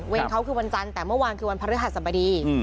เขาคือวันจันทร์แต่เมื่อวานคือวันพระฤหัสบดี